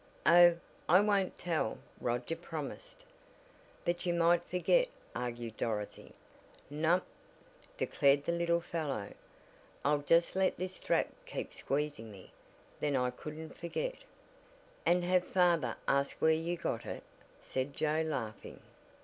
"Oh, I won't tell," Roger promised. "But you might forget," argued Dorothy. "Nope," declared the little fellow, "I'll just let this strap keep squeezing me, then I couldn't forget." "And have father ask where you got it," said Joe laughing.